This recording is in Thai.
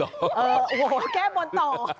ว่าแก้บนต่อ